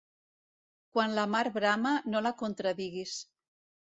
Quan la mar brama, no la contradiguis.